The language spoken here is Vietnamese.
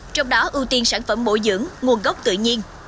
trong đó ưu tiên sản phẩm bổ dưỡng nguồn gốc tự nhiên